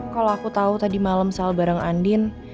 kalo aku tau tadi malem sal bareng andin